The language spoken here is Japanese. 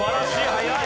早い！